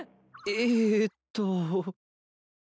えっと。